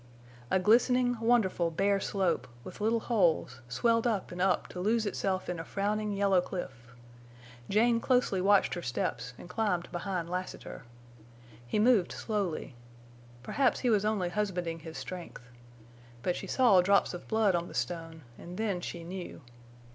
A glistening, wonderful bare slope, with little holes, swelled up and up to lose itself in a frowning yellow cliff. Jane closely watched her steps and climbed behind Lassiter. He moved slowly. Perhaps he was only husbanding his strength. But she saw drops of blood on the stone, and then she knew.